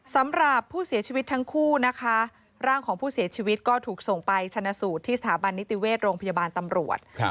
สำหรับผู้เสียชีวิตทั้งคู่นะคะร่างของผู้เสียชีวิตก็ถูกส่งไปชนะสูตรที่สถาบันนิติเวชโรงพยาบาลตำรวจ